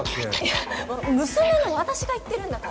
いや娘の私が言ってるんだから。